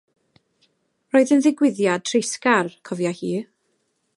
"Roedd yn ddigwyddiad treisgar", cofia hi.